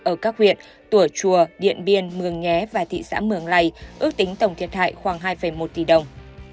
ở các huyện tùa chùa điện biên mường nhé và thị xã mường lầy ước tính tổng thiệt hại khoảng hai một tỷ đồng